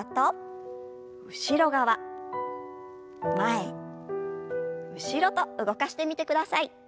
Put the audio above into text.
前後ろと動かしてみてください。